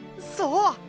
そう！